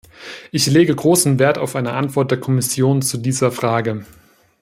Ich lege großen Wert auf eine Antwort der Kommission zu dieser Frage.